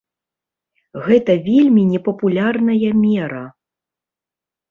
Гэта вельмі непапулярная мера!